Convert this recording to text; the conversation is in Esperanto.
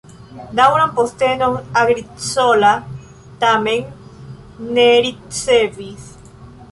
Daŭran postenon Agricola tamen ne ricevis.